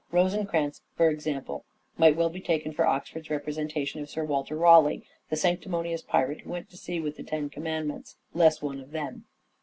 Rosencrantz, for example, might well be taken for Oxford's representation of Sir Walter Raleigh, " the sancti monious pirate who went to sea with the ten command ments "— less one of them.